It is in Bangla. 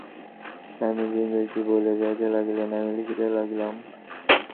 স্বামীজী ইংরেজীতে বলিয়া যাইতে লাগিলেন, আমি লিখিতে লাগিলাম।